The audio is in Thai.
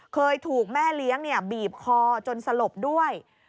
เคยถูกแม่เลี้ยงบีบคอจนสลบด้วย